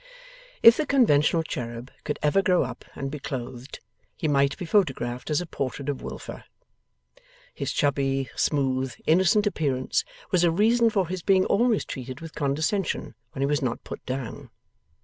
If the conventional Cherub could ever grow up and be clothed, he might be photographed as a portrait of Wilfer. His chubby, smooth, innocent appearance was a reason for his being always treated with condescension when he was not put down.